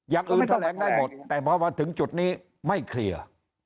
อย่างอื่นแถลงได้หมดแต่พอมาถึงจุดนี้ไม่เคลียร์